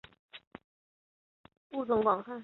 物种广泛分布于新热带界。